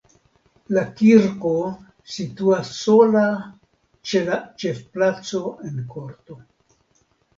La kirko situas sola ĉe la ĉefplaco en korto.